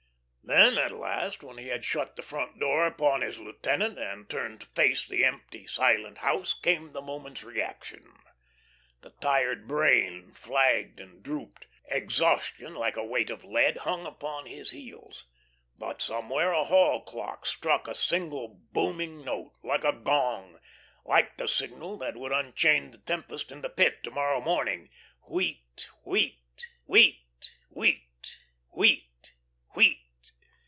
Then at last, when he had shut the front door upon his lieutenant and turned to face the empty, silent house, came the moment's reaction. The tired brain flagged and drooped; exhaustion, like a weight of lead, hung upon his heels. But somewhere a hall clock struck, a single, booming note, like a gong like the signal that would unchain the tempest in the Pit to morrow morning. Wheat wheat wheat, wheat wheat wheat!